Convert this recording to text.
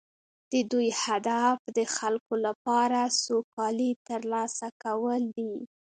د دوی هدف د خلکو لپاره سوکالي ترلاسه کول دي